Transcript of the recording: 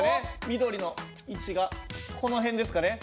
緑の位置がこの辺ですかね。